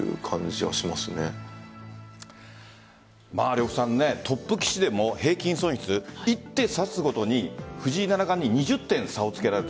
呂布さんトップ棋士でも平均損失一手指すごとに藤井七冠に２０点差をつけられる。